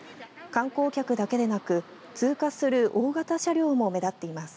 観光客だけでなく通過する大型車両も目立っています。